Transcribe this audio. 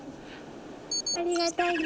ありがたいな。